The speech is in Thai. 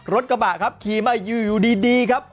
รถกระบะครับขี่มาอยู่ดีครับ